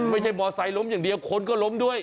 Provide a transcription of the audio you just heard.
ไม่ใช่มอไซคล้มอย่างเดียวคนก็ล้มด้วย